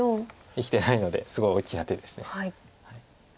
生きてないのですごい大きな手です。